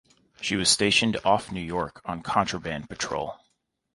She was stationed off New York on contraband patrol.